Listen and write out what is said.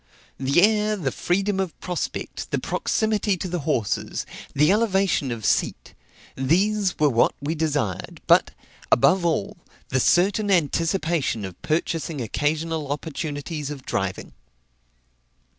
The air, the freedom of prospect, the proximity to the horses, the elevation of seat these were what we desired; but, above all, the certain anticipation of purchasing occasional opportunities of driving.